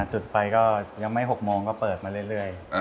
จุดไฟก็ยังไม่๖โมงก็เปิดมาเรื่อย